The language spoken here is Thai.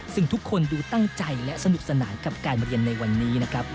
ซึ่งทุกคนดูตั้งใจและสนุกสนานกับการเรียนในวันนี้นะครับ